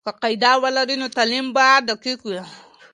که قاعده ولري، نو تعلیم به دقیق وي.